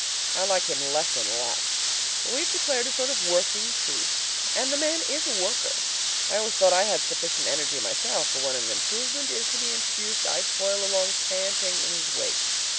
I like him less and less, but we have declared a sort of working truce. And the man IS a worker. I always thought I had sufficient energy myself, but when an improvement is to be introduced, I toil along panting in his wake.